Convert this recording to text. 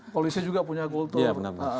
polisi juga punya kultur